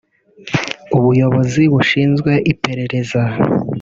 ubuyobozi bushinzwe iperereza